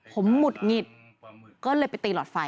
ผมหงุดหงิดก็เลยไปตีหลอดไฟ